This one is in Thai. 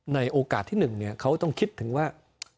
ในโอกาสที่๑เขาต้องคิดถึงว่า